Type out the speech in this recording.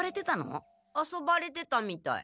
遊ばれてたみたい。